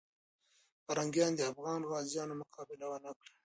پرنګیان د افغان غازیو مقابله ونه کړه.